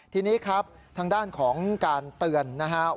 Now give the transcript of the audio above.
ทีนี้ครับทางด้านของการเตือนนะครับ